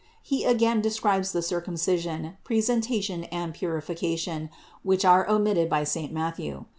He again describes the Circumcision, Presenta tion and Purification, which are omitted by saint Mat thew.